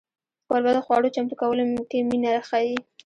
کوربه د خوړو چمتو کولو کې مینه ښيي.